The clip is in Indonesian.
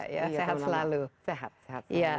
iya selalu selalu